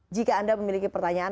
jika anda memiliki pertanyaan